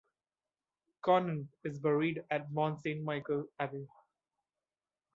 Conan is buried at Mont Saint-Michel Abbey.